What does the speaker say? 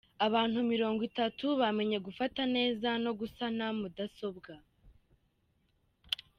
Abantu Mirongo Itatu bamenye gufata neza no gusana mudasobwa